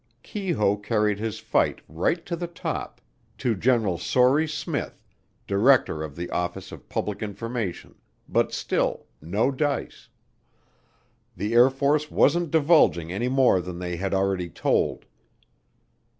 Keyhoe carried his fight right to the top, to General Sory Smith, Director of the Office of Public Information, but still no dice the Air Force wasn't divulging any more than they had already told.